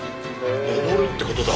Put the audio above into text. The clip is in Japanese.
上るってことだ。